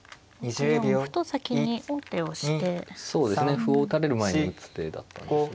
歩を打たれる前に打つ手だったんですが。